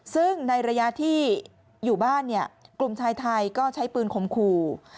ซึ่งในระยะที่อยู่บ้านกลุ่มชายไทยก็ใช้ปืนขมขู่